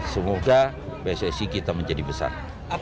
semoga pssi kita menjadi besar